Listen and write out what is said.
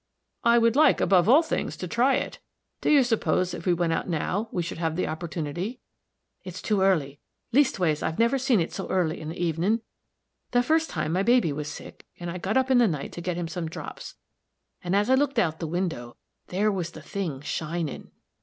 "I would like, above all things, to try it. Do you suppose, if we went out now, we should have the opportunity?" "It's too early; leastways, I've never seen it so early in the evenin'. The first time, my baby was sick, and I got up in the night to get him some drops, and as I looked out the window, there was the thing shinin'."